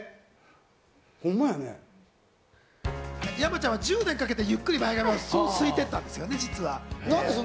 山ちゃんは１０年かけてゆっくりと前髪をすいていたんですよね。